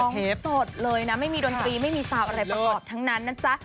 สดเลยนะไม่มีดนตรีไม่มีซาวอะไรประกอบทั้งนั้นนะจ๊ะ